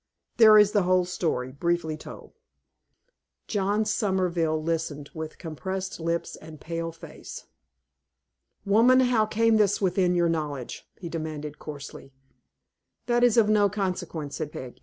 There is the whole story, briefly told." John Somerville listened, with compressed lips and pale face. "Woman, how came this within your knowledge?" he demanded, coarsely. "That is of no consequence," said Peg.